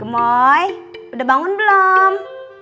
gemoy udah bangun belum